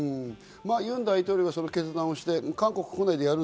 ユン大統領が、その決断をして韓国国内でやる。